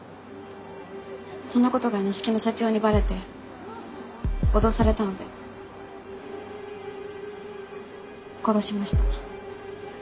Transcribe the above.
その事が錦野社長にバレて脅されたので殺しました。